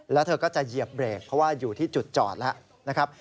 แล้วเธอก็จะเหยียบเบรกเพราะว่าอยู่ที่จุดจอดแล้วนะครับ